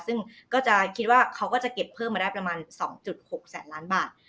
ซึ่งก็จะคิดว่าเขาก็จะเก็บเพิ่มมาได้ประมาณ๒๖แสนล้านบาท